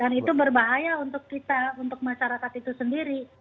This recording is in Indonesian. dan itu berbahaya untuk kita untuk masyarakat itu sendiri